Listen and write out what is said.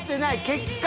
結果！